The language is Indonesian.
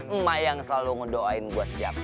emak yang selalu ngedoain gue setiap saat